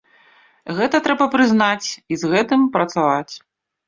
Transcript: Гэта трэба прызнаць, і з гэтым працаваць.